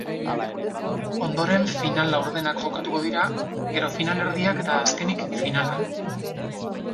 Ondoren, final-laurdenak jokatuko dira, gero finalerdiak eta azkenik finala.